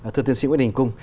thưa tiến sĩ nguyễn đình cung